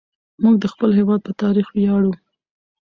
موږ د خپل هېواد په تاريخ وياړو.